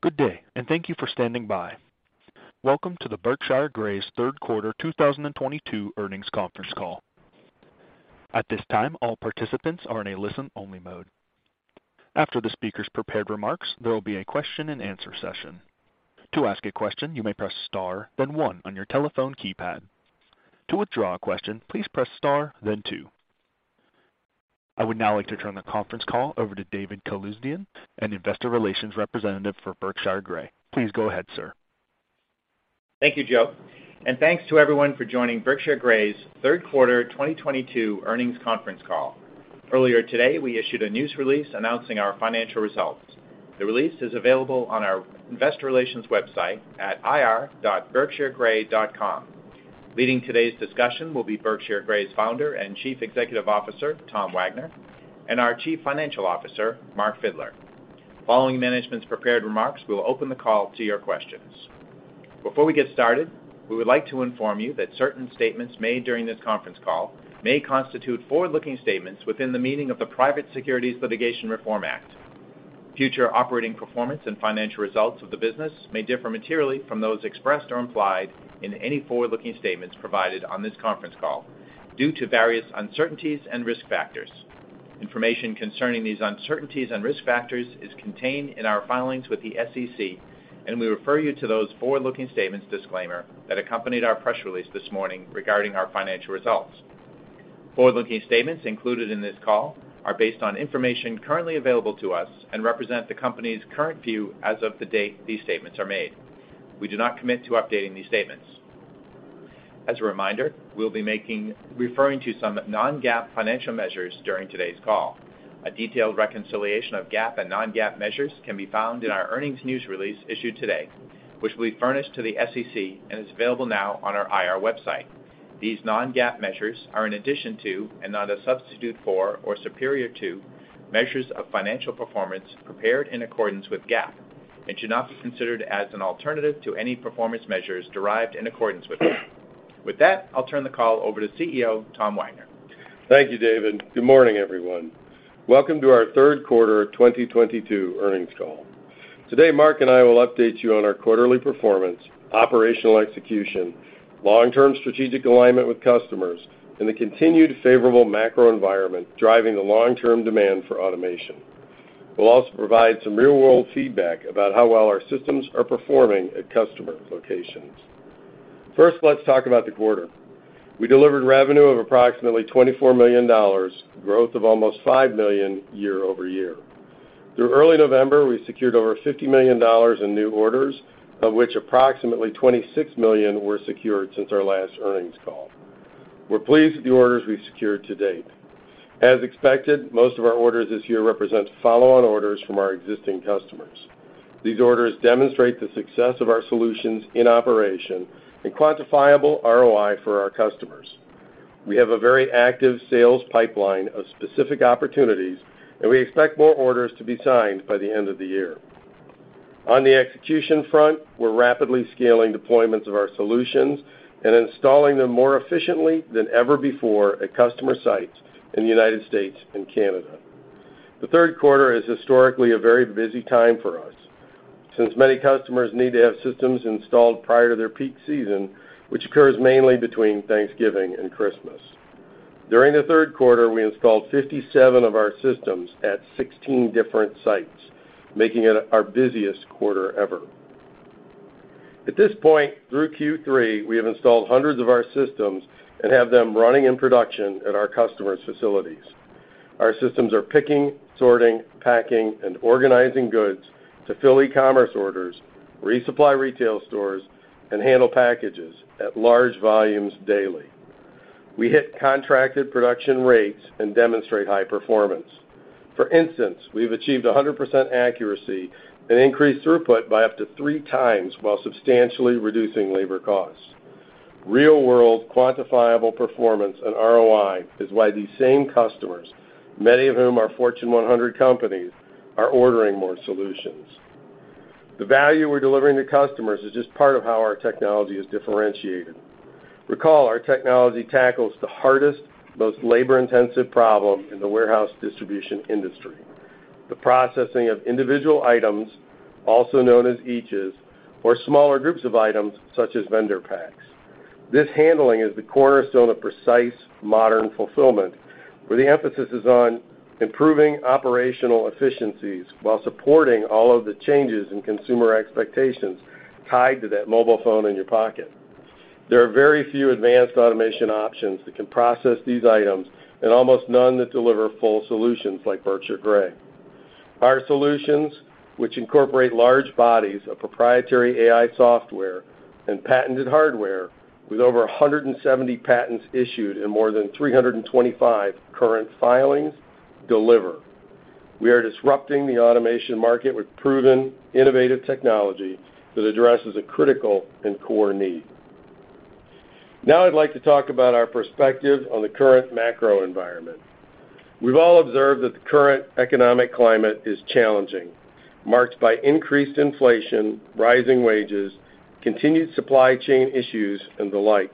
Good day and thank you for standing by. Welcome to the Berkshire Grey's third quarter 2022 earnings conference call. At this time, all participants are in a listen-only mode. After the speaker's prepared remarks, there will be a question-and-answer session. To ask a question, you may press star, then one on your telephone keypad. To withdraw a question, please press star, then two. I would now like to turn the conference call over to David Calusdian, an investor relations representative for Berkshire Grey. Please go ahead, sir. Thank you, Joe. Thanks to everyone for joining Berkshire Grey's third quarter 2022 earnings conference call. Earlier today, we issued a news release announcing our financial results. The release is available on our investor relations website at ir.berkshiregrey.com. Leading today's discussion will be Berkshire Grey's founder and chief executive officer, Tom Wagner, and our chief financial officer, Mark Fidler. Following management's prepared remarks, we'll open the call to your questions. Before we get started, we would like to inform you that certain statements made during this conference call may constitute forward-looking statements within the meaning of the Private Securities Litigation Reform Act. Future operating performance and financial results of the business may differ materially from those expressed or implied in any forward-looking statements provided on this conference call due to various uncertainties and risk factors. Information concerning these uncertainties and risk factors is contained in our filings with the SEC, and we refer you to those forward-looking statements disclaimer that accompanied our press release this morning regarding our financial results. Forward-looking statements included in this call are based on information currently available to us and represent the company's current view as of the date these statements are made. We do not commit to updating these statements. As a reminder, we'll be referring to some non-GAAP financial measures during today's call. A detailed reconciliation of GAAP and non-GAAP measures can be found in our earnings news release issued today, which will be furnished to the SEC and is available now on our IR website. These non-GAAP measures are an addition to and not a substitute for or superior to measures of financial performance prepared in accordance with GAAP and should not be considered as an alternative to any performance measures derived in accordance with GAAP. With that, I'll turn the call over to CEO, Tom Wagner. Thank you, David. Good morning, everyone. Welcome to our third quarter 2022 earnings call. Today, Mark and I will update you on our quarterly performance, operational execution, long-term strategic alignment with customers, and the continued favorable macro environment driving the long-term demand for automation. We'll also provide some real-world feedback about how well our systems are performing at customer locations. First, let's talk about the quarter. We delivered revenue of approximately $24 million, growth of almost $5 million year-over-year. Through early November, we secured over $50 million in new orders, of which approximately $26 million were secured since our last earnings call. We're pleased with the orders we've secured to date. As expected, most of our orders this year represent follow-on orders from our existing customers. These orders demonstrate the success of our solutions in operation and quantifiable ROI for our customers. We have a very active sales pipeline of specific opportunities, and we expect more orders to be signed by the end of the year. On the execution front, we're rapidly scaling deployments of our solutions and installing them more efficiently than ever before at customer sites in the United States and Canada. The third quarter is historically a very busy time for us, since many customers need to have systems installed prior to their peak season, which occurs mainly between Thanksgiving and Christmas. During the third quarter, we installed 57 of our systems at 16 different sites, making it our busiest quarter ever. At this point, through Q3, we have installed hundreds of our systems and have them running in production at our customers' facilities. Our systems are picking, sorting, packing, and organizing goods to fill e-commerce orders, resupply retail stores, and handle packages at large volumes daily. We hit contracted production rates and demonstrate high performance. For instance, we've achieved 100% accuracy and increased throughput by up to three times while substantially reducing labor costs. Real-world quantifiable performance and ROI is why these same customers, many of whom are Fortune 100 companies, are ordering more solutions. The value we're delivering to customers is just part of how our technology is differentiated. Recall, our technology tackles the hardest, most labor-intensive problem in the warehouse distribution industry, the processing of individual items, also known as eaches, or smaller groups of items such as vendor packs. This handling is the cornerstone of precise modern fulfillment, where the emphasis is on improving operational efficiencies while supporting all of the changes in consumer expectations tied to that mobile phone in your pocket. There are very few advanced automation options that can process these items and almost none that deliver full solutions like Berkshire Grey. Our solutions, which incorporate large bodies of proprietary AI software and patented hardware with over 170 patents issued and more than 325 current filings, deliver. We are disrupting the automation market with proven innovative technology that addresses a critical and core need. Now I'd like to talk about our perspective on the current macro environment. We've all observed that the current economic climate is challenging, marked by increased inflation, rising wages, continued supply chain issues, and the like.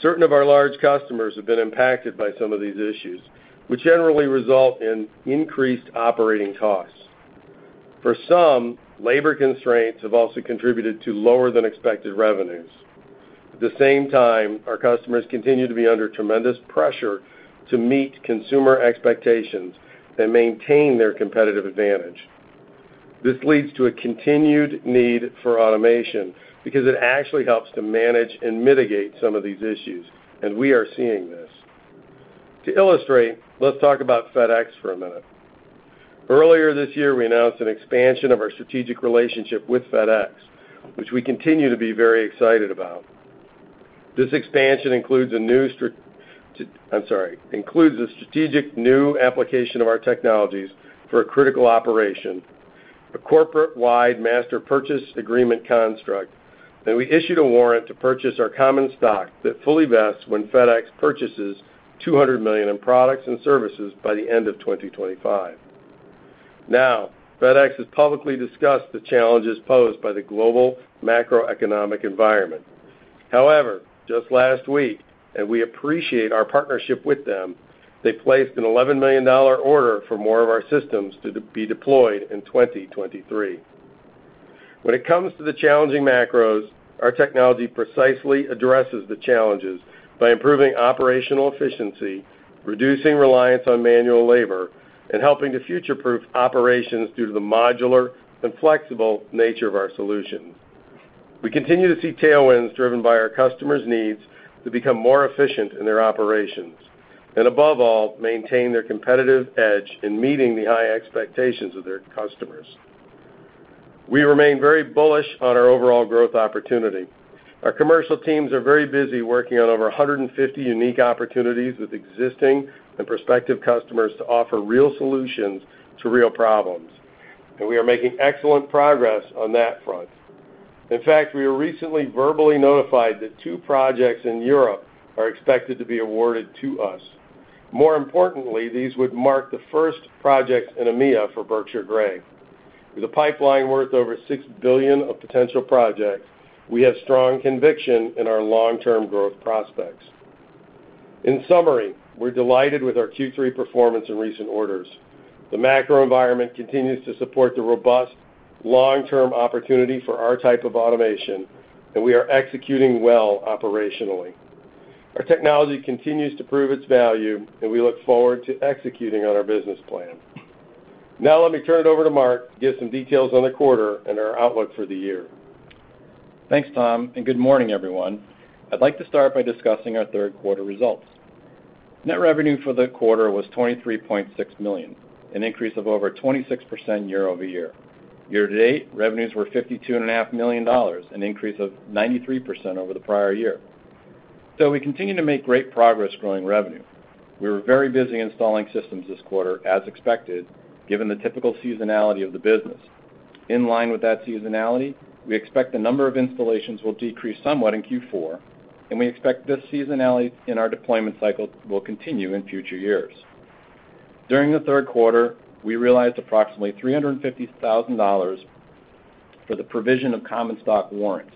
Certain of our large customers have been impacted by some of these issues, which generally result in increased operating costs. For some, labor constraints have also contributed to lower-than-expected revenues. At the same time, our customers continue to be under tremendous pressure to meet consumer expectations and maintain their competitive advantage. This leads to a continued need for automation because it actually helps to manage and mitigate some of these issues, and we are seeing this. To illustrate, let's talk about FedEx for a minute. Earlier this year, we announced an expansion of our strategic relationship with FedEx, which we continue to be very excited about. This expansion includes the strategic new application of our technologies for a critical operation, a corporate-wide master purchase agreement construct that we issued a warrant to purchase our common stock that fully vests when FedEx purchases $200 million in products and services by the end of 2025. Now, FedEx has publicly discussed the challenges posed by the global macroeconomic environment. However, just last week, and we appreciate our partnership with them, they placed an $11 million order for more of our systems to be deployed in 2023. When it comes to the challenging macros, our technology precisely addresses the challenges by improving operational efficiency, reducing reliance on manual labor, and helping to future-proof operations due to the modular and flexible nature of our solutions. We continue to see tailwinds driven by our customers' needs to become more efficient in their operations and above all, maintain their competitive edge in meeting the high expectations of their customers. We remain very bullish on our overall growth opportunity. Our commercial teams are very busy working on over 150 unique opportunities with existing and prospective customers to offer real solutions to real problems, and we are making excellent progress on that front. In fact, we were recently verbally notified that two projects in Europe are expected to be awarded to us. More importantly, these would mark the first projects in EMEA for Berkshire Grey. With a pipeline worth over $6 billion of potential projects, we have strong conviction in our long-term growth prospects. In summary, we're delighted with our Q3 performance and recent orders. The macro environment continues to support the robust long-term opportunity for our type of automation, and we are executing well operationally. Our technology continues to prove its value, and we look forward to executing on our business plan. Now let me turn it over to Mark to give some details on the quarter and our outlook for the year. Thanks, Tom, and good morning, everyone. I'd like to start by discussing our third quarter results. Net revenue for the quarter was $23.6 million, an increase of over 26% year-over-year. Year-to-date, revenues were $52.5 million, an increase of 93% over the prior year. We continue to make great progress growing revenue. We were very busy installing systems this quarter, as expected, given the typical seasonality of the business. In line with that seasonality, we expect the number of installations will decrease somewhat in Q4, and we expect this seasonality in our deployment cycle will continue in future years. During the third quarter, we realized approximately $350,000 for the provision of common stock warrants,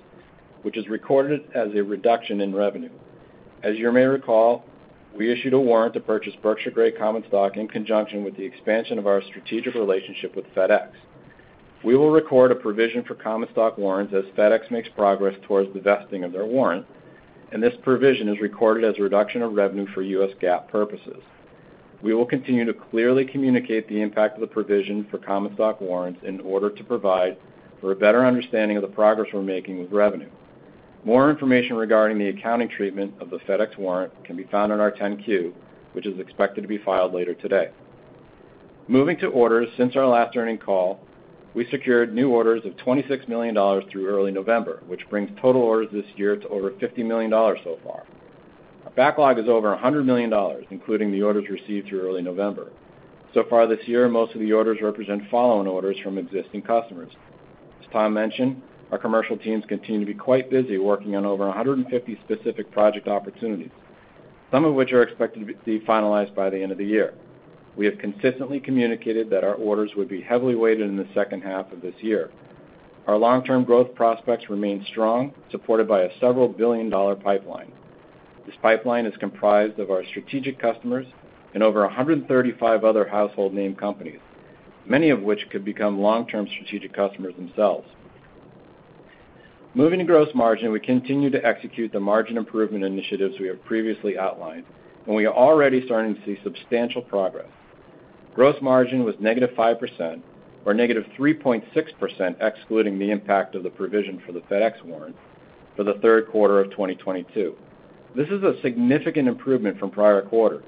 which is recorded as a reduction in revenue. As you may recall, we issued a warrant to purchase Berkshire Grey common stock in conjunction with the expansion of our strategic relationship with FedEx. We will record a provision for common stock warrants as FedEx makes progress towards the vesting of their warrant, and this provision is recorded as a reduction of revenue for US GAAP purposes. We will continue to clearly communicate the impact of the provision for common stock warrants in order to provide for a better understanding of the progress we're making with revenue. More information regarding the accounting treatment of the FedEx warrant can be found in our 10-Q, which is expected to be filed later today. Moving to orders, since our last earnings call, we secured new orders of $26 million through early November, which brings total orders this year to over $50 million so far. Our backlog is over $100 million, including the orders received through early November. So far this year, most of the orders represent following orders from existing customers. As Tom mentioned, our commercial teams continue to be quite busy working on over 150 specific project opportunities, some of which are expected to be finalized by the end of the year. We have consistently communicated that our orders would be heavily weighted in the second half of this year. Our long-term growth prospects remain strong, supported by a several billion-dollar pipeline. This pipeline is comprised of our strategic customers and over 135 other household name companies, many of which could become long-term strategic customers themselves. Moving to gross margin, we continue to execute the margin improvement initiatives we have previously outlined, and we are already starting to see substantial progress. Gross margin was negative 5% or negative 3.6%, excluding the impact of the provision for the FedEx warrant for the third quarter of 2022. This is a significant improvement from prior quarters,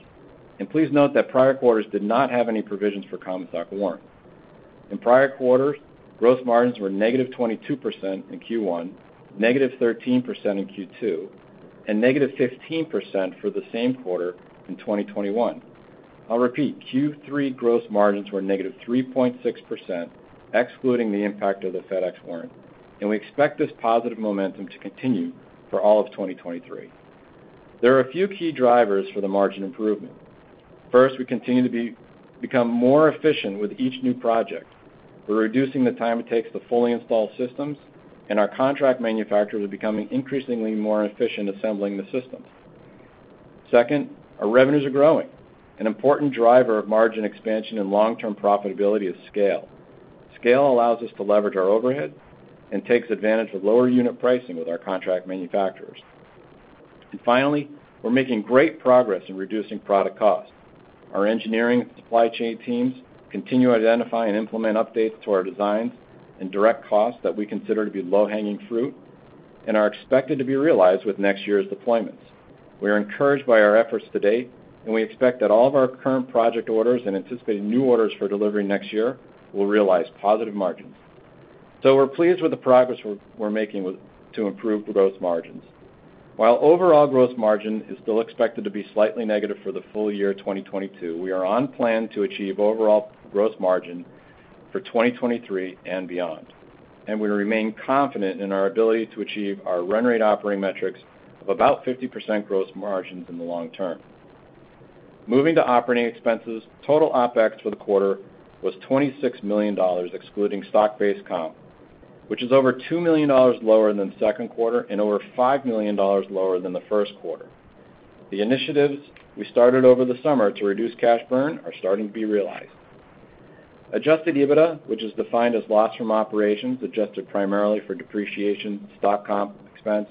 and please note that prior quarters did not have any provisions for common stock warrants. In prior quarters, gross margins were negative 22% in Q1, negative 13% in Q2, and negative 15% for the same quarter in 2021. I'll repeat, Q3 gross margins were negative 3.6%, excluding the impact of the FedEx warrant, and we expect this positive momentum to continue for all of 2023. There are a few key drivers for the margin improvement. First, we continue to become more efficient with each new project. We're reducing the time it takes to fully install systems, and our contract manufacturers are becoming increasingly more efficient assembling the systems. Second, our revenues are growing. An important driver of margin expansion and long-term profitability is scale. Scale allows us to leverage our overhead and takes advantage of lower unit pricing with our contract manufacturers. Finally, we're making great progress in reducing product costs. Our engineering and supply chain teams continue to identify and implement updates to our designs and direct costs that we consider to be low-hanging fruit and are expected to be realized with next year's deployments. We are encouraged by our efforts to date, and we expect that all of our current project orders and anticipated new orders for delivery next year will realize positive margins. We're pleased with the progress we're making to improve gross margins. While overall gross margin is still expected to be slightly negative for the full year 2022, we are on plan to achieve overall gross margin for 2023 and beyond, and we remain confident in our ability to achieve our run rate operating metrics of about 50% gross margins in the long term. Moving to operating expenses, total OpEx for the quarter was $26 million, excluding stock-based comp, which is over $2 million lower than second quarter and over $5 million lower than the first quarter. The initiatives we started over the summer to reduce cash burn are starting to be realized. Adjusted EBITDA, which is defined as loss from operations, adjusted primarily for depreciation, stock comp expense,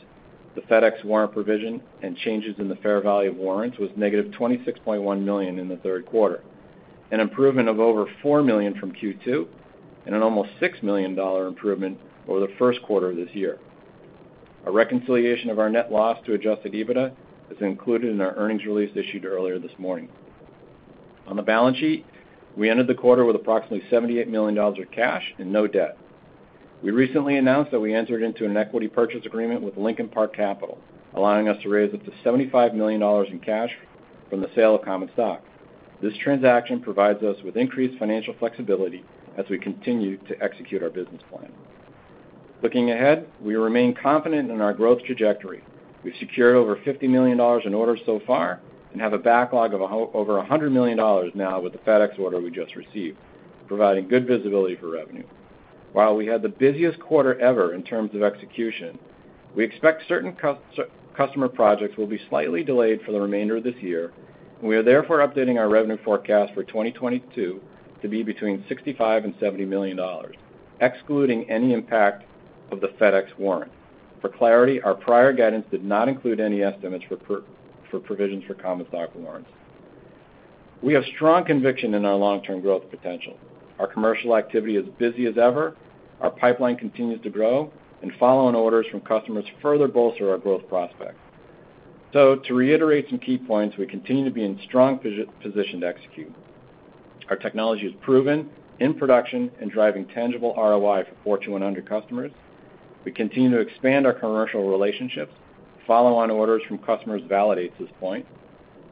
the FedEx warrant provision, and changes in the fair value of warrants, was negative $26.1 million in the third quarter, an improvement of over $4 million from Q2 and an almost $6 million dollar improvement over the first quarter of this year. A reconciliation of our net loss to adjusted EBITDA is included in our earnings release issued earlier this morning. On the balance sheet, we ended the quarter with approximately $78 million of cash and no debt. We recently announced that we entered into an equity purchase agreement with Lincoln Park Capital, allowing us to raise up to $75 million in cash from the sale of common stock. This transaction provides us with increased financial flexibility as we continue to execute our business plan. Looking ahead, we remain confident in our growth trajectory. We've secured over $50 million in orders so far and have a backlog of over $100 million now with the FedEx order we just received, providing good visibility for revenue. While we had the busiest quarter ever in terms of execution, we expect certain customer projects will be slightly delayed for the remainder of this year. We are therefore updating our revenue forecast for 2022 to be between $65 million and $70 million, excluding any impact of the FedEx warrant. For clarity, our prior guidance did not include any estimates for provisions for common stock warrants. We have strong conviction in our long-term growth potential. Our commercial activity is busy as ever. Our pipeline continues to grow, and follow-on orders from customers further bolster our growth prospects. To reiterate some key points, we continue to be in strong position to execute. Our technology is proven, in production, and driving tangible ROI for Fortune 100 customers. We continue to expand our commercial relationships. Follow-on orders from customers validates this point.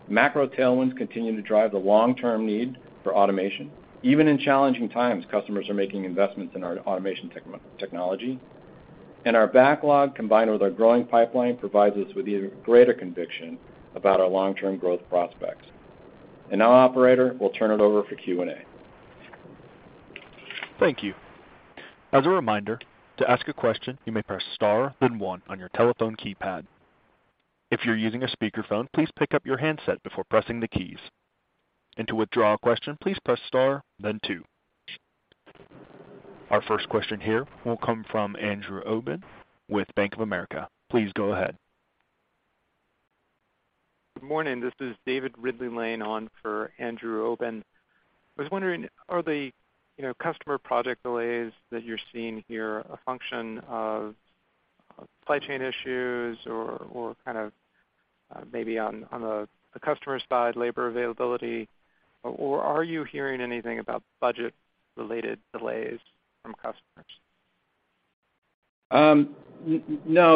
Macro tailwinds continue to drive the long-term need for automation. Even in challenging times, customers are making investments in our automation technology. Our backlog, combined with our growing pipeline, provides us with even greater conviction about our long-term growth prospects. Now, operator, we'll turn it over for Q&A. Thank you. As a reminder, to ask a question, you may press star, then one on your telephone keypad. If you're using a speakerphone, please pick up your handset before pressing the keys. To withdraw a question, please press star, then two. Our first question here will come from Andrew Obin with Bank of America. Please go ahead. Good morning. This is David Ridley-Lane standing in for Andrew Obin. I was wondering, are the, you know, customer project delays that you're seeing here a function of supply chain issues or kind of, maybe on the customer side, labor availability? Or are you hearing anything about budget-related delays from customers? No.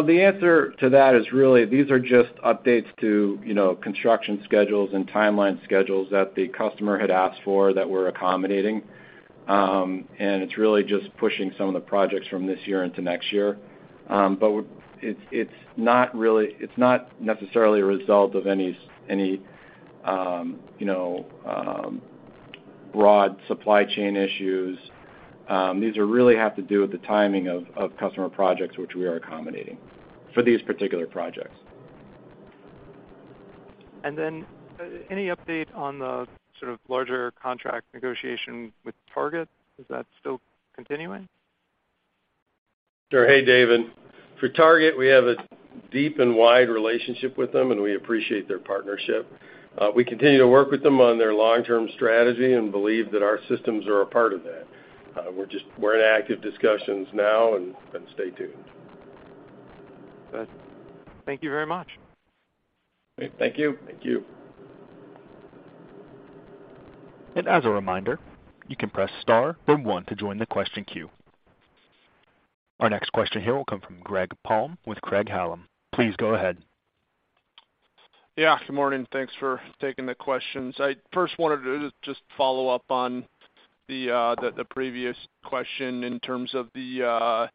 The answer to that is really these are just updates to, you know, construction schedules and timeline schedules that the customer had asked for that we're accommodating. It's really just pushing some of the projects from this year into next year. It's not necessarily a result of any you know, broad supply chain issues. These really have to do with the timing of customer projects, which we are accommodating for these particular projects. Any update on the sort of larger contract negotiation with Target? Is that still continuing? Sure. Hey, David. For Target, we have a deep and wide relationship with them, and we appreciate their partnership. We continue to work with them on their long-term strategy and believe that our systems are a part of that. We're in active discussions now, and stay tuned. Thank you very much. Thank you. Thank you. As a reminder, you can press star then one to join the question queue. Our next question here will come from Greg Palm with Craig-Hallum. Please go ahead. Yeah, good morning. Thanks for taking the questions. I first wanted to just follow up on the previous question in terms of the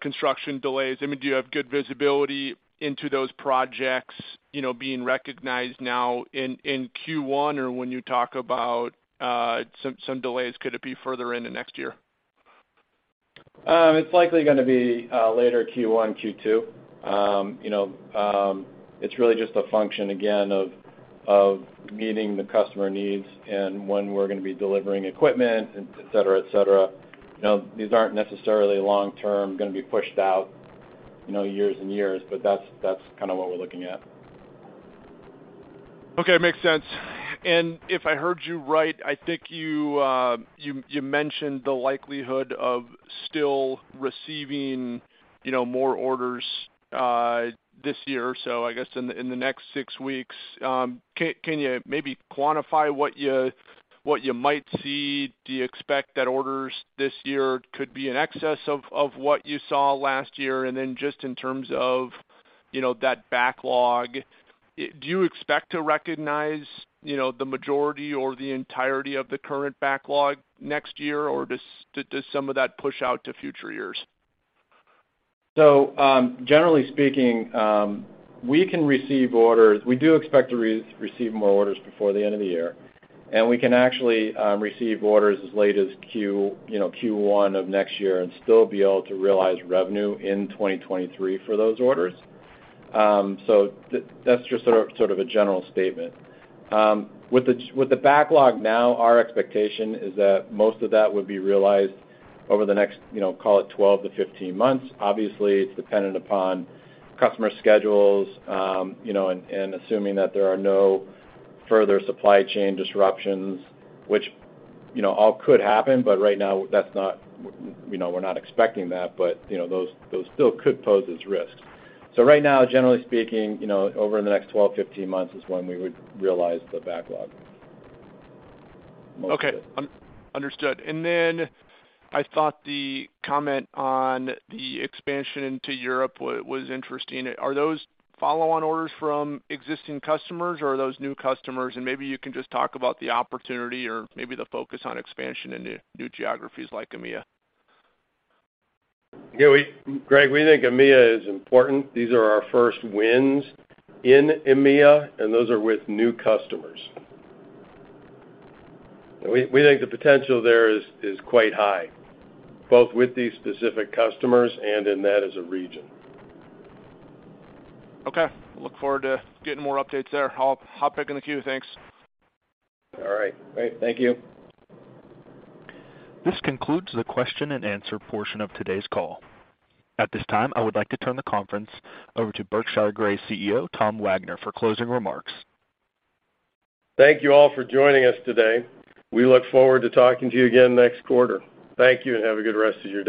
construction delays. I mean, do you have good visibility into those projects, you know, being recognized now in Q1? Or when you talk about some delays, could it be further into next year? It's likely going to be later Q1, Q2. You know, it's really just a function again of meeting the customer needs and when we're going to be delivering equipment, et cetera, et cetera. You know, these aren't necessarily long-term going to be pushed out, you know, years and years, but that's kinda what we're looking at. Okay. Makes sense. If I heard you right, I think you mentioned the likelihood of still receiving, you know, more orders this year, so I guess in the next six weeks. Can you maybe quantify what you might see? Do you expect that orders this year could be in excess of what you saw last year? Then just in terms of, you know, that backlog, do you expect to recognize, you know, the majority or the entirety of the current backlog next year, or does some of that push out to future years? Generally speaking, we can receive orders. We do expect to receive more orders before the end of the year, and we can actually receive orders as late as Q1 of next year and still be able to realize revenue in 2023 for those orders. That's just sort of a general statement. With the backlog now, our expectation is that most of that would be realized over the next, you know, call it 12-15 months. Obviously, it's dependent upon customer schedules, you know, and assuming that there are no further supply chain disruptions, which, you know, all could happen, but right now, that's not, you know, we're not expecting that. You know, those still could pose as risks. Right now, generally speaking, you know, over the next 12-15 months is when we would realize the backlog. Okay. Understood. I thought the comment on the expansion into Europe was interesting. Are those follow-on orders from existing customers, or are those new customers? Maybe you can just talk about the opportunity or maybe the focus on expansion into new geographies like EMEA? Yeah, Greg, we think EMEA is important. These are our first wins in EMEA, and those are with new customers. We think the potential there is quite high, both with these specific customers and in that as a region. Okay. Look forward to getting more updates there. I'll hop back in the queue. Thanks. All right. Great. Thank you. This concludes the question-and-answer portion of today's call. At this time, I would like to turn the conference over to Berkshire Grey CEO, Tom Wagner, for closing remarks. Thank you all for joining us today. We look forward to talking to you again next quarter. Thank you and have a good rest of your day.